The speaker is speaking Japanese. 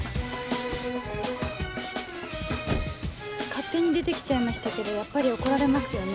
勝手に出て来ちゃいましたけどやっぱり怒られますよね。